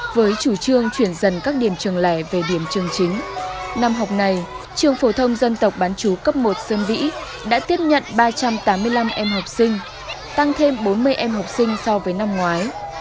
với chủ trương chuyển dần các điểm trường lẻ về điểm trường chính năm học này trường phổ thông dân tộc bán chú cấp một sơn vĩ đã tiếp nhận ba trăm tám mươi năm em học sinh tăng thêm bốn mươi em học sinh so với năm ngoái